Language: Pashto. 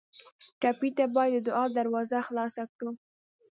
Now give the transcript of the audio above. ټپي ته باید د دعا دروازه خلاصه کړو.